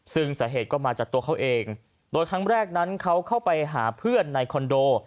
ซึ่งสาเหตุก็มาจากตัวเขาเองโดยครั้งแรกนั้นเขาเข้าไปหาเพื่อนในคอนโด